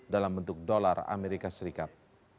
dalam bentuk dolar amerika serikat